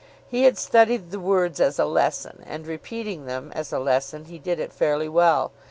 He had studied the words as a lesson, and, repeating them as a lesson, he did it fairly well.